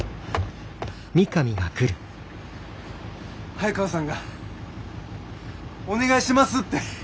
早川さんが「お願いします」って。